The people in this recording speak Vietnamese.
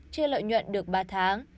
chia lợi nhuận được ba tháng